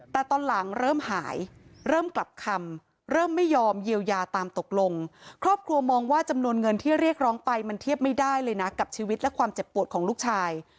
แต่ตอนหลังเริ่มหายเริ่มกลับคำเริ่มไม่ยอมเยียวยาตามตกลงครอบครัวมองว่าจำนวนเงินที่เรียกร้องไปมันเทียบไม่ได้เลยนะกับชีวิตและความเจ็บปวดของลูกชาย